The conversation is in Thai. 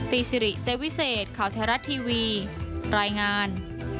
สิริเซวิเศษข่าวไทยรัฐทีวีรายงาน